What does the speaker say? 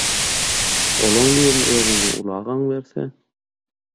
Olaň birini özüňden uly agaň berse